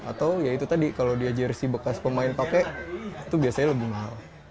atau ya itu tadi kalau dia jersi bekas pemain pakai itu biasanya lebih mahal